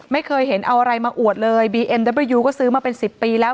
ไม่เคยเห็นเอาอะไรมาอวดเลยบีเอ็มเดอร์เบอร์ยูก็ซื้อมาเป็นสิบปีแล้ว